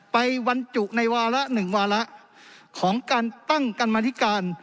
บรรจุในวาระ๑วาระของการตั้งกรรมธิการ